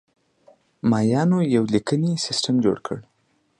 مایانو یو لیکنی سیستم جوړ کړ